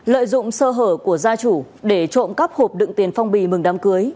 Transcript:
lợi dụng sơ hở của gia chủ để trộm cắp hộp đựng tiền phong bì mừng đám cưới